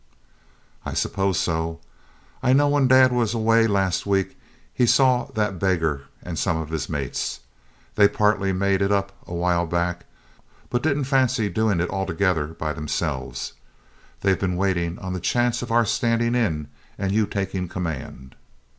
'I suppose so. I know when dad was away last week he saw that beggar and some of his mates. They partly made it up awhile back, but didn't fancy doing it altogether by themselves. They've been waiting on the chance of our standing in and your taking command.'